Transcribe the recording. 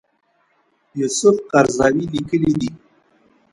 یوسف قرضاوي لیکلي دي.